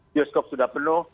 bioskop sudah penuh